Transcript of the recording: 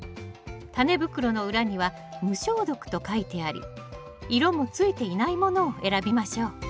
タネ袋の裏には無消毒と書いてあり色もついていないものを選びましょう